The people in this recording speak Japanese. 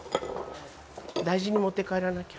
大事に持って帰らなきゃ。